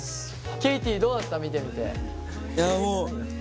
ケイティどうだった見てみて？